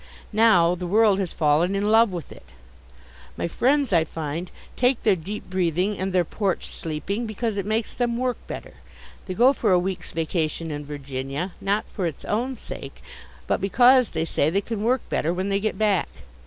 Now the world has fallen in love with it. My friends, I find, take their deep breathing and their porch sleeping because it makes them work better. They go for a week's vacation in Virginia not for its own sake, but because they say they can work better when they get back.